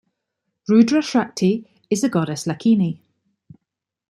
Rudra's Shakti is the goddess Lakini.